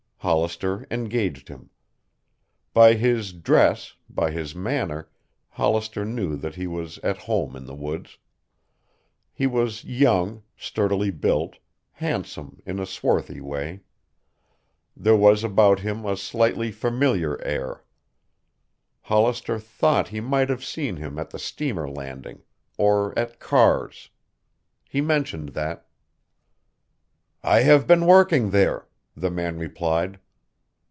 Hollister engaged him. By his dress, by his manner, Hollister knew that he was at home in the woods. He was young, sturdily built, handsome in a swarthy way. There was about him a slightly familiar air. Hollister thought he might have seen him at the steamer landing, or at Carr's. He mentioned that. "I have been working there," the man replied.